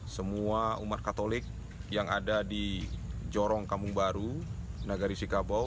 semua umat katolik yang ada di jorong kampung baru nagari sikabau